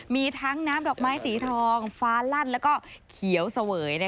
มีทั้งน้ำดอกไม้สีทองฟ้าลั่นแล้วก็เขียวเสวย